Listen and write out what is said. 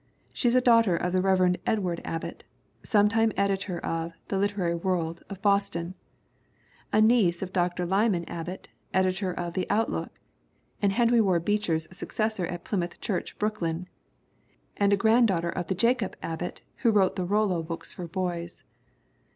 She is a daughter of the Rev. Edward Abbott, sometime editor of the Lit erary World of Boston; a niece of Dr. Lyman Ab bott, editor of the Outlook and Henry Ward Beech er's successor at Plymouth Church, Brooklyn; and a granddaughter of the Jacob Abbott who wrote the Rollo books for boys.